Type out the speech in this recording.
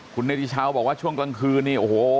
คุณเนธิเช้าบอกว่าช่วงกลางคืนนี่โอ้โห